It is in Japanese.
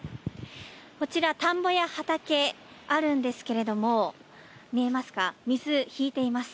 こちら、田んぼや畑があるんですけれども見えますか水、引いています。